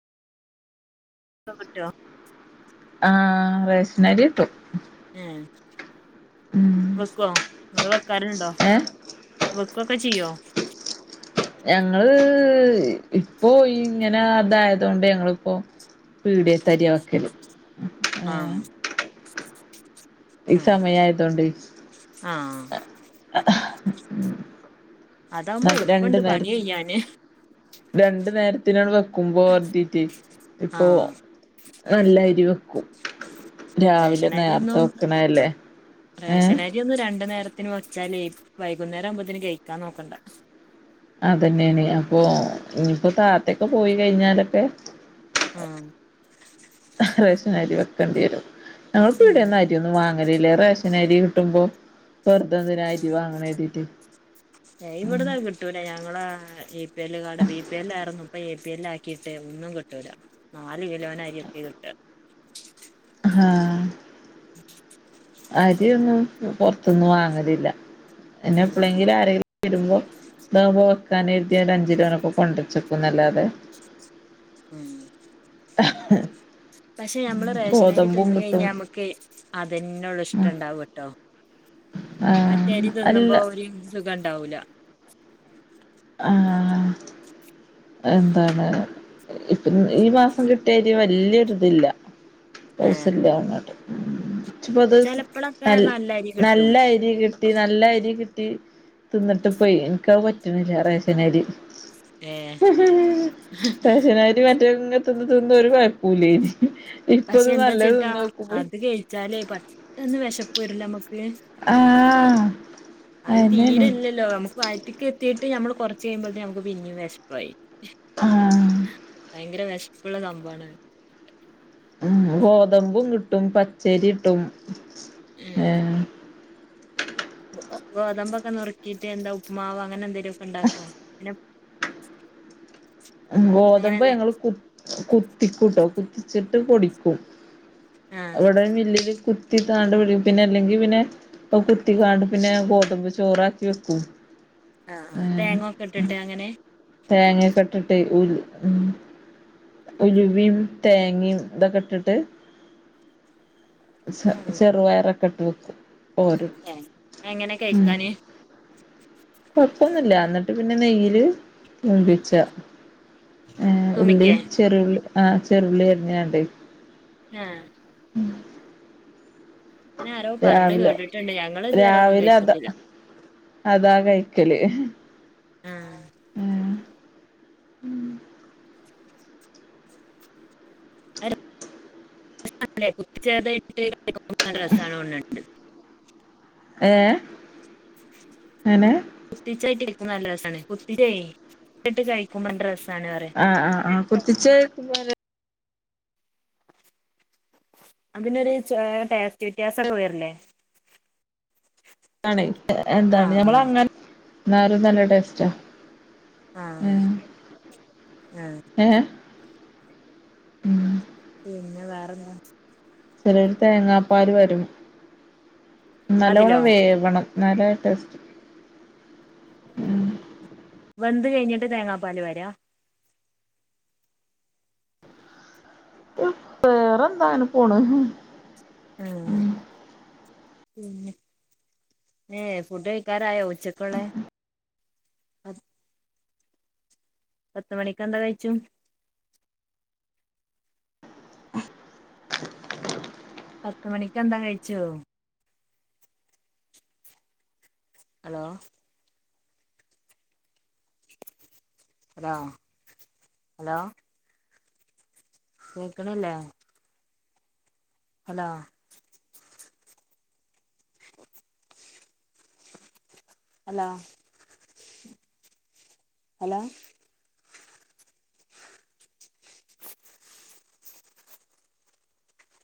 ഇപ്പ കിട്ടോ ആഹ് റേഷനരി ട്ടും. ഉം വെക്കോ നിങ്ങള് വെക്കാറ്ണ്ടോ ഏഹ് വെക്കൊക്കെ ചെയ്യോ ഞങ്ങള് ഇപ്പോയിങ്ങനെ തായതൊണ്ടു ഞങ്ങളിപ്പോ പീട്യേ തര്യാ വെക്കല് ഏ ആഹ് ഈ ഉം സമയായതൊണ്ടേ ആഹ് അതാവുമ്പോ എള്പ്പണ്ട് പണി കയ്യാന് രണ്ടു നേരത്തിനാണ് വെക്കുമ്പോര് തീട്ടെ ഇപ്പൊ ആഹ് നല്ലരി വെക്കും രാവിലെ റേഷനരി നേർത്തെ ഒന്നും വെക്കണല്ലേ ഏഹ് റേഷനരി ഒന്നും രണ്ടു നേര ത്തിന്ന് വെച്ചാലെ വൈകുന്നേരവുമ്പോത്തിന് കയിക്കാൻ നോക്കണ്ട അതന്നെണെ അപ്പൊ ഇഞ്പ്പോ താത്തൊക്കെ പോയി കയിഞ്ഞാലൊക്കെ ആ റേഷൻ അരി വെക്കേണ്ട്യരും ഞങ്ങള് ഉം പീട്യേന്ന് അരി യൊന്നും വാങ്ങ അരിലെ റേഷനരി കിട്ടുമ്പോ അതെന്നെ അരി വാങ്ങണ ര്ത്തീട്ടെ ഏ ഇവടന്നഅ് കിട്ടൂല ഞങ്ങള് A P L കാഡാ B P എല്ലായിര്ന്നു. ഇപ്പ എ പി എല്ലാക്കി ട്ടെ ഒന്നും കിട്ടൂല നാല് കിലോനരിയെക്കെ കിട്ട ഹാ അരിയൊന്നും പൊർത്ത്ന്ന് വാങ്ങലില്ല പിന്നെ ഉം എപ്പ ഉം ളെങ്കിലും ആരെ വെരുമ്പോ താവുമ്പോ വെക്കാനെര് ത്യാണ്ട് അഞ്ചിലോനൊക്കെ കൊണ്ട്രച്ചെക്കുന്നല്ലാതെ ഉം പക്ഷെ നമ്മള് റേഷനരി ഗോതമ്പും തിന്ന് കിട്ടും കയിഞ്ഞാമ്മക്ക് അതെന്നൊള്ളൂ ഇഷ്ടണ്ടാവട്ടോ ആഹ് മറ്റേ അരി അല്ല തിന്നുമ്പോ ഒരു സുഖണ്ടാവൂല്ല ആ എന്താണ് ഇപ്പൊ ഈ മാസം കിട്ട്യരി വെല്ല്യൊരുതില്ല ഏ പ്പോത് ചെലപ്പളൊക്കെ നൽ നല്ല അരി കിട്ടും നല്ല രി കി ട്ടി നല്ല രി കിട്ടി തിന്ന്ട്ട് പ്പെ ഇൻക്കഅ് പറ്റ്ണില്ല റേഷനരി ഏ റേഷനരി മറ്റേങ് തിന്ന്തിന്ന് ഒരു കൊയപ്പൂല്ലേ നി പക്ഷെ എന്താച്ചിട്ടാ അത് കഴിച്ചാലേ പെട്ടെന്ന് വെശപ്പ് വരില്ലേമ്മക്ക് ആഹ് അഅ് അയന്നെയാണ് തീരെ ല്ലല്ലോ നമക്ക് വായ റ്റ്ക്കെത്തീട്ട് നമ്മള് കൊർച്ച് കഴിയുമ്പോത്തിന് നമക്ക് പിന്നിം വെശപ്പായി ആഹ് ഭയങ്കര വിശപ്പ പ്ള്ള സംഭവാണ് ഗോതമ്പും കിട്ടും പച്ചരിട്ടും ഏ ഗോ ഗോതമ്പൊക്കെ നുർക്കിട്ട് എന്താ ഉപ്പ്മാവ് അങ്ങനെ എന്തെലൊക്കെ ണ്ടാക്കോ പിന്നെ അങ്ങനെ ഗോതമ്പ് ഞങ്ങള് കു കുത്തിക്കൂട്ടോ കുത്തിച്ചിട്ട് പൊടിക്കും ആഹ് അവടെ മില്ലില് കു കുത്തിക്കാണ്ട് പിഴിയും പിന്നെ അല്ലെങ്കി പിന്നെ കുത്തിക്കാണ്ട് പിന്നെ ഗോതമ്പ് ചോറാക്കി വെക്കും ആ ആ അങ്ങനെ തേങ്ങൊക്കെട്ടിട്ടങ്ങനെ തേങ്ങൊക്കെ ഇട്ടിട്ട് ഉലു ഉം ഉലുവിയും തേങ്ങയും ഇതൊക്കെട്ടിട്ട് ച ഉം ചെറുപയറൊക്കിട്ട് വെക്കും പോരും ഏ എങ്ങനെ ഉം കഴിക്കാന് കൊഴപ്പൊന്നില്ലന്നിട്ട് പിന്നെ നെയ്യില് മൂപ്പിച്ച ഉള്ളി തുമിക്കേ ഉം ആ ചെറിയുളളിയരിഞ്ഞേണ്ട് ഞ അങ്ങനെ ആരോ പറഞ്ഞ് രാവിലെ കേട്ടിട്ടുണ്ട് ഞങ്ങൾ ഇതുവരെ ഒന്നും രാവിലെ അതാ കേട്ടിട്ടില്ല അതാ കഴിക്കല് ഇഹ് ആ ഉ ഉ ല്ലേട്ട രസണ്ട് [unintelligible] ഏ ങ്ങനെ കുത്തിച്ചായിട്ട കക്ക നല്ല രസമാണ് കുത്തിച്ച കുത്തിട്ട് കഴിക്കുമ്പോണ്ട രസം ആഹ ആഹ് ആ് കുത്തിച്ച് [unintelligible] അതിനൊരു ടെസ്റ്റ്‌ വ്യത്യാസൊക്കെ വരല്ലേ ന്താണ് എന്താണ് ഞമ്മൾ ആഹ് അങ്ങനെ എന്നാലും നല്ല ടേസ്റ്റാ ആഹ ഏഹ് ഉഹ ഏഹ് ഉം പിന്നെ വേറെന്താ ചിലരു തേങ്ങാപ്പാൽ വരും അതിലോ നല്ലോണം വേവണം ന്നാലെ ടേസ്റ്റ് ഉ വന്ത് കഴിഞ്ഞിട്ട് തേങ്ങാപ്പാല് വരാ ഇ വേറന്താന പോണ് ആ ഏ ഫുട്ണ്ടായ്ക്കാറായോ ച്ചക്കളെ അത് പത്ത് മണിിക്ക എന്താ കഴിച്ചു [unintelligible] പത്ത് മണിക്ക് എന്താ കഴിച്ചോ ഹലോ ഹലോഹലോ കേക്കണല്ലേ ഹലോ [unintelligible] ഹലോ ഹലോ [unintelligible]